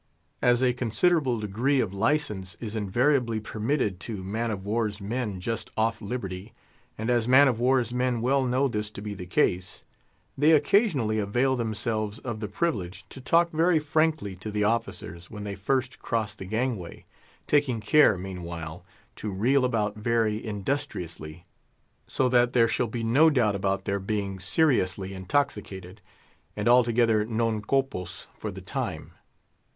As a considerable degree of license is invariably permitted to man of war's men just "off liberty," and as man of war's men well know this to be the case, they occasionally avail themselves of the privilege to talk very frankly to the officers when they first cross the gangway, taking care, meanwhile, to reel about very industriously, so that there shall be no doubt about their being seriously intoxicated, and altogether non compos for the time.